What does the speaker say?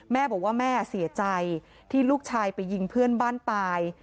แม่บอกว่าเฮิ่นสงสัยที่ลูกพี่ไปยิงเพื่อนบ้านตาย